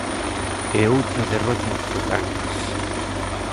E outra derrota do Cangas.